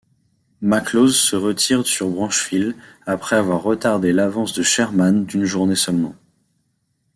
McLaws se retire sur Branchville, après avoir retardé l'avance de Sherman d'une journée seulement.